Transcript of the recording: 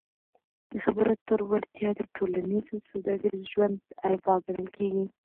د خبرو اترو وړتیا د ټولنیز او سوداګریز ژوند اروا ګڼل کیږي.